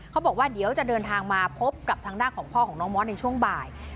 เขาบอกว่าเดี๋ยวจะเดินทางมาพบกับทางด้านของพ่อของน้องมอสในช่วงบ่าย